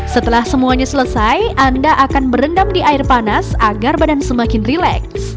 setelah semuanya selesai anda akan berendam di air panas agar badan semakin rileks